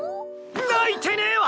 泣いてねぇわ！